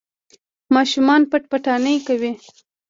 ماشومان پټ پټانې کوي.